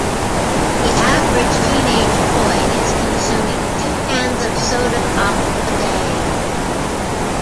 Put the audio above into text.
The average teenage boy is consuming two cans of soda pop a day.